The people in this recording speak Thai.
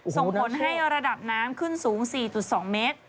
ส่งผลให้ระดับน้ำขึ้นสูง๔๒เมตร